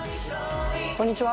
こんにちは。